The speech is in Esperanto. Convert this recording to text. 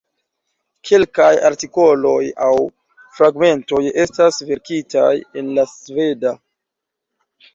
Kelkaj artikoloj aŭ fragmentoj estas verkitaj en la Sveda.